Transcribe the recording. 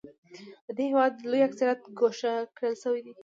د دې هېواد لوی اکثریت ګوښه کړل شوی و.